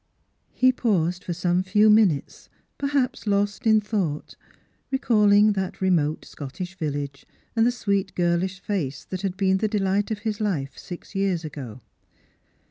He paused for some few minutes, perhaps lost in thought, re calling that remote Scottish village, and the sweet girlish face that had been the delight of his life six years ago.